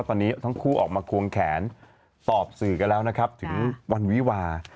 ตอนนี้ทั้งคู่ออกมาควงแขนตอบสื่อกันแล้วนะครับถึงวันวิวา